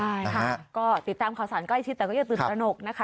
ใช่ค่ะก็ติดตามข่าวศาลก้อยชิดแต่ก็ยังตื่นตนกนะคะ